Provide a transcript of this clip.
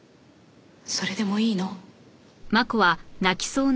それでもいいの？